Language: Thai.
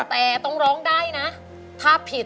แต่ต้องร้องได้นะถ้าผิด